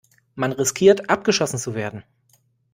Man riskiert, abgeschossen zu werden.